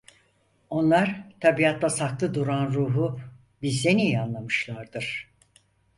Onlar tabiatta saklı duran ruhu bizden iyi anlamışlardır.